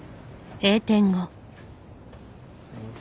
閉店後。